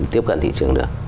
tiếp cận thị trường được